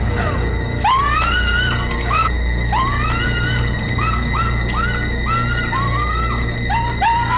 bawa dia keluar